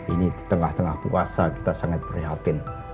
ini di tengah tengah puasa kita sangat prihatin